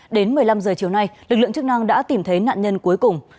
đến một mươi năm h chiều nay lực lượng chức năng đã tìm thấy nạn nhân cuối cùng